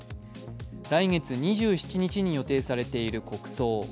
来月２７日に予定されている国葬。